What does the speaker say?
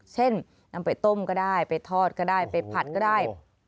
เช่นนำไปต้มก็ได้ไปทอดก็ได้ไปผัดก็ได้